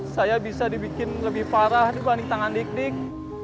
saya bisa dibikin lebih parah dibanding tangan dik dik